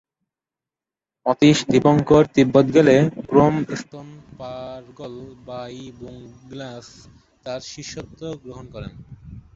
অতীশ দীপঙ্কর তিব্বত গেলে 'ব্রোম-স্তোন-পা-র্গ্যল-বা'ই-'ব্যুং-গ্নাস তার শিষ্যত্ব গ্রহণ করেন।